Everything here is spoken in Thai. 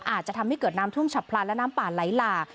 อาจจะทำให้เกิดน้ำท่วมฉับพลันและน้ำป่าไหลหลาก